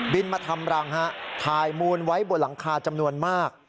มาทำรังฮะถ่ายมูลไว้บนหลังคาจำนวนมาก